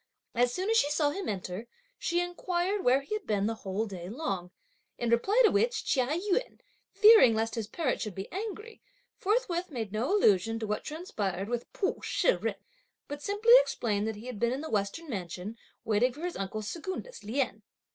As soon as she saw him enter, she inquired where he had been the whole day long, in reply to which Chia Yün, fearing lest his parent should be angry, forthwith made no allusion to what transpired with Pu Shih jen, but simply explained that he had been in the western mansion, waiting for his uncle Secundus, Lien.